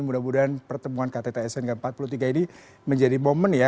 mudah mudahan pertemuan ktt sn ke empat puluh tiga ini menjadi momen ya